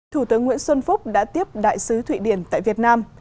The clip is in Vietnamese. thủ tướng nguyễn xuân phúc đã tiếp đại sứ thụy điển tại việt nam